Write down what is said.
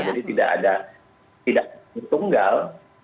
jadi tidak ada tidak ada yang tunggal